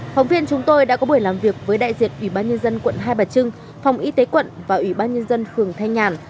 phóng viên chúng tôi đã có buổi làm việc với đại diện ủy ban nhân dân quận hai bà trưng phòng y tế quận và ủy ban nhân dân phường thanh nhàn